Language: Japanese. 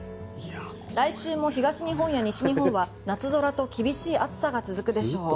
来週も東日本や西日本は夏空や厳しい暑さが続くでしょう。